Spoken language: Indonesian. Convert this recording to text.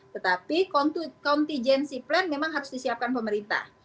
tetapi contingency plan memang harus disiapkan pemerintah